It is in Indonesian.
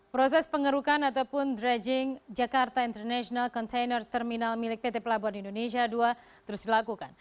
proses pengerukan ataupun dredging jakarta international container terminal milik pt pelabuhan indonesia dua terus dilakukan